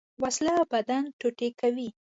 وسله بدن ټوټې کوي